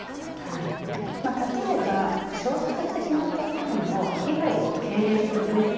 例えば、衝突してしまった際の被害を軽減するブレーキ